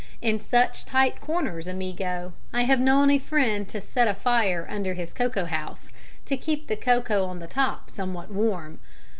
In such tight corners, amigo, I have known a friend to set a fire under his cocoa house to keep the cocoa on the top somewhat warm.